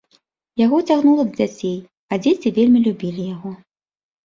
Яго цягнула да дзяцей, а дзеці вельмі любілі яго.